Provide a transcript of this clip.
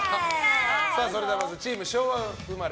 それではまずチーム昭和生まれ。